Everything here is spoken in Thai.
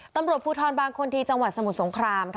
ตำรวจภูทรบางคนที่จังหวัดสมุทรสงคราม